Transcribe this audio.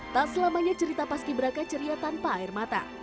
tak selamanya cerita paski beraka ceria tanpa air mata